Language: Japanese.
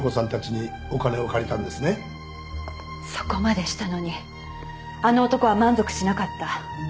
そこまでしたのにあの男は満足しなかった。